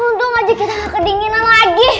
untung aja kita gak kedinginan lagi